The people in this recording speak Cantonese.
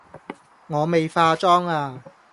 我未化妝呀